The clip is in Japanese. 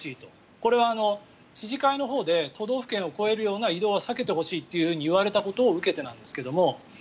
これは知事会のほうで都道府県を越えるような移動は避けてほしいというふうに言われたことを受けてなんですけども。